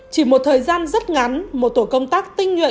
chỉ một thời gian rất ngắn một tổ công tác tinh nguyện